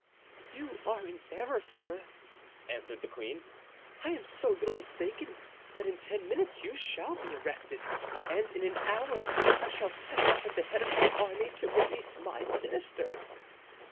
"You are in error, sir," answered the queen. "I am so little mistaken that in ten minutes you shall be arrested, and in an hour I shall set off at the head of my army to release my minister."